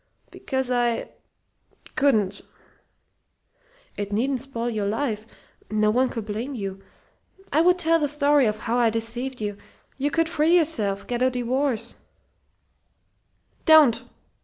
"Because I couldn't." "It needn't spoil your life. No one could blame you. I would tell the story of how I deceived you. You could free yourself get a divorce " "Don't!"